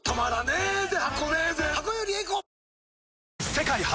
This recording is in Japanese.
世界初！